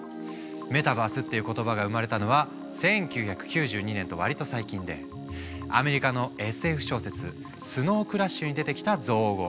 メタバースっていう言葉が生まれたのは１９９２年と割と最近でアメリカのＳＦ小説「スノウ・クラッシュ」に出てきた造語。